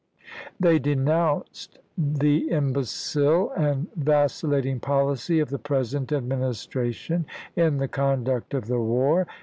They denounced " the imbecile and vacillating policy of the present Administration in the conduct of the war